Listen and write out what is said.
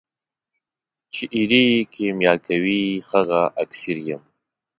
چي ایرې کېمیا کوي هغه اکسیر یم.